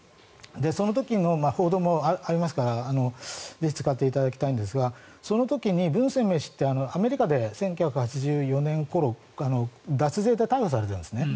その時の報道もありますからぜひ使っていただきたいんですがその時にブン・センメイ氏ってアメリカで１９８４年ごろ脱税で逮捕されているんですね。